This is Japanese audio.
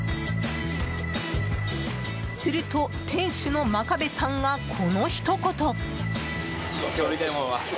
すると、店主の真壁さんがこのひと言。